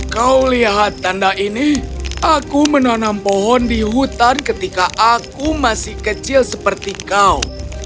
kau lihat tanda ini aku menanam pohon di hutan ketika aku masih kecil seperti kau